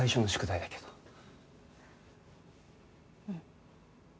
うん。